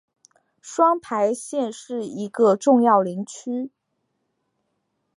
双牌县是一个重要林区。